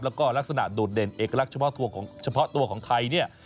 แล้วก็ลักษณะโดดเด่นเอกลักษณ์เฉพาะตัวของไทยเนี่ย